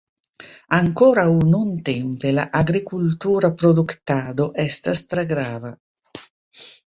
Ankoraŭ nuntempe la agrikultura produktado estas tre grava.